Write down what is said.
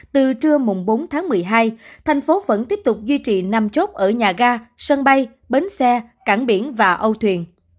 từ trưa bốn tháng một mươi hai thành phố vẫn tiếp tục duy trì năm chốt ở nhà ga sân bay bến xe cảng biển và âu thuyền